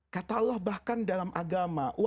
kata allah bahkan dalam agama